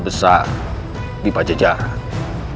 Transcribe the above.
besar di pajajara